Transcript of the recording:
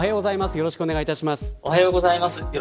よろしくお願いします。